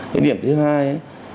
cái điểm thứ hai